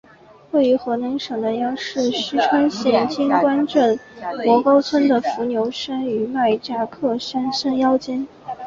位于河南省南阳市淅川县荆紫关镇磨沟村的伏牛山余脉乍客山山腰间。